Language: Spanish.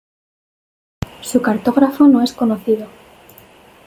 Su cartógrafo no es conocido.